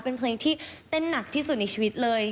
เป็นเพลงที่เต้นหนักที่สุดในชีวิตเลย